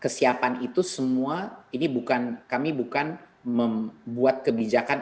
kesiapan itu semua ini bukan kami bukan membuat kebijakan